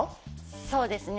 そうですね